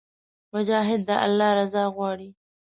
مجاهد د الله رضا غواړي.